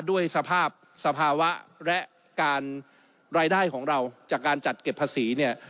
ด้วยสภาพสภาวะและการรายได้ของเราจากการจัดเก็บภาษีเนี่ย